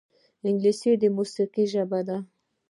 انګلیسي د موسیقۍ ژبه ده